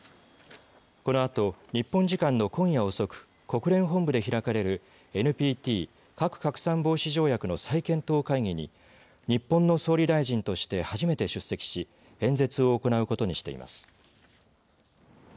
このあと、日本時間の今夜遅く国連本部で開かれるＮＰＴ、核拡散防止条約の再検討会議に日本の総理大臣として初めて出席し演説を行うことにしています。